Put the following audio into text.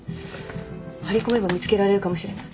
張り込めば見つけられるかもしれない。